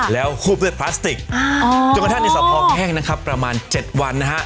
แล้วคูบด้วยพลาสติกจนกระทั่งในสะพองแห้งนะครับประมาณ๗วันนะฮะ